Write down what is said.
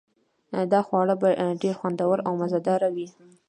دا خواړه به ډیر خوندور او مزه دار وي